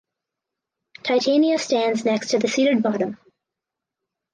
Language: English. Titania stands next to the seated Bottom.